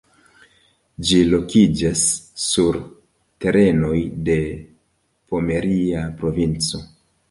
Ĝi lokiĝas sur terenoj de Pomeria Provinco.